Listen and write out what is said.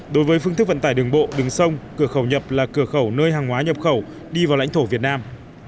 đối với phương thức vận tải đường bộ đường sông cửa khẩu nhập là cửa khẩu nơi hàng hóa nhập khẩu đi vào lãnh thổ việt nam